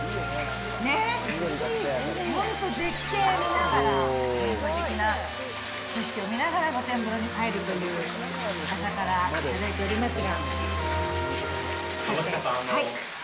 ね、本当絶景見ながら、すてきな景色を見ながら、露天風呂に入るという、朝から頂いておりますが。